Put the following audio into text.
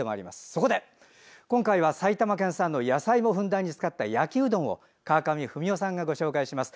そこで今回は、埼玉県産の野菜もふんだんに使った焼きうどんを川上文代さんがご紹介します。